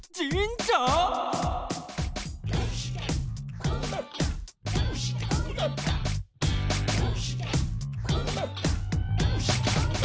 「どうして？